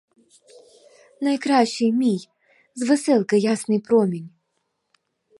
Найкращий мій з веселки ясний промінь!